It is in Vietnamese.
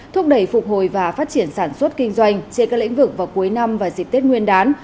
thúc đẩy phục hồi và phát triển sản xuất kinh doanh trên các lĩnh vực vào cuối năm và dịp tết nguyên đán